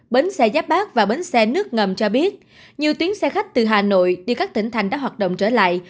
bến xe giáp bát và bến xe nước ngầm cho biết nhiều tuyến xe khách từ hà nội đi các tỉnh thành đã hoạt động trở lại